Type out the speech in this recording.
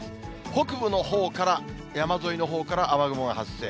北部のほうから山沿いのほうから雨雲が発生。